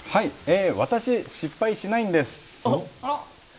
私、失敗しないんです。